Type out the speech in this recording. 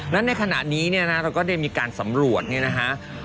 แล้วในขณะนี้เนี่ยนะเราก็ได้มีการสำรวจเนี่ยนะฮะ